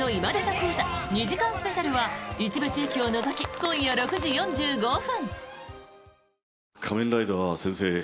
講座」２時間スペシャルは一部地域を除き今夜６時４５分。